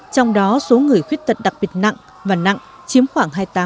trong đó số người khuyết tật đặc biệt nặng và nặng chiếm khoảng hai mươi tám